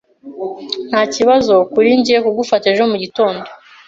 Ntakibazo kuri njye kugufasha ejo mugitondo.